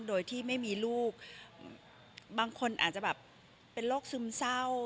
โดยที่ไม่มีลูกบางคนอาจจะแบบเป็นโรคซึมเศร้า